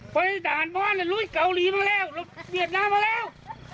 ไปด่านมอนลุยเกาหลีมาแล้วเราเวียดนามมาแล้ว